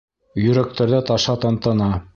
Йөрәктәрҙә таша тантана!